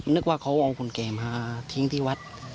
นึกว่าเขาเอาคนแก่มาทิ้งที่วัด